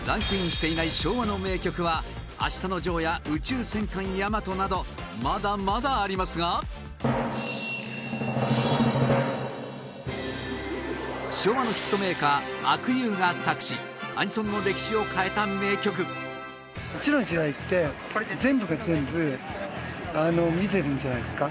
ランキングしていない昭和の名曲は『あしたのジョー』や『宇宙戦艦ヤマト』などまだまだありますが昭和のヒットメーカー阿久悠が作詞アニソンの歴史を変えた名曲うちらの時代って全部が全部見てるんじゃないですか？